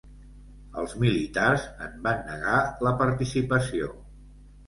Els militars en van negar la participació.